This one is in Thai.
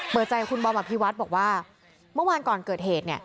เปิดใจกับคุณบอมอภิวัฒน์บอกว่าเมื่อวานก่อนเกิดเหตุ